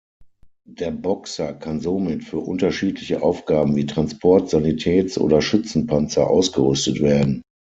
Der Boxer kann somit für unterschiedliche Aufgaben wie Transport-, Sanitäts- oder Schützenpanzer ausgerüstet werden.